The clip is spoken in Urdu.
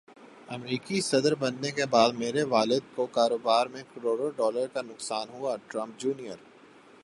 امریکی صدربننے کےبعد میرے والد کوکاروبار میں کروڑوں ڈالر کا نقصان ہوا ٹرمپ جونیئر